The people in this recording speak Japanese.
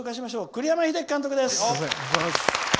栗山英樹監督です。